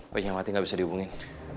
pokoknya mati gak bisa dihubungin